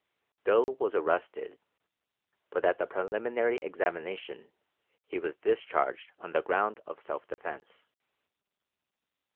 Bill was arrested, but at the preliminary examination he was discharged on the ground of self defense.